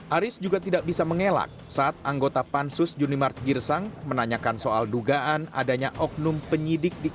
aris juga tidak bisa mengelak saat anggota pansus junimart girsang menanyakan soal dugaan adanya oknum penyidik di kpk